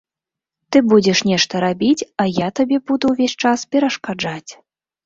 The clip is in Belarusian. Ты будзеш нешта рабіць, а я табе буду ўвесь час перашкаджаць.